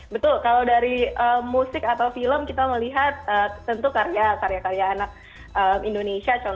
betul kalau dari musik atau film kita melihat tentu karya karya anak indonesia